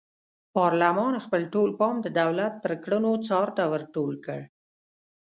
پارلمان خپل ټول پام د دولت پر کړنو څار ته ور ټول کړ.